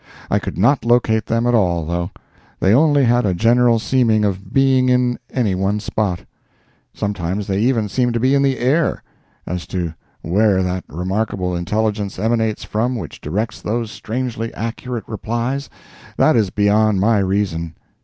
I could not locate them at all, though; they only had a general seeming of being in any one spot; sometimes they even seemed to be in the air. As to where that remarkable intelligence emanates from which directs those strangely accurate replies, that is beyond my reason.